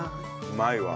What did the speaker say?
うまいわ。